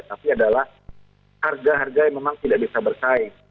tapi adalah harga harga yang memang tidak bisa bersaing